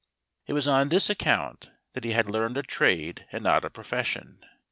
It was on this account that he had learned a trade and not a profession.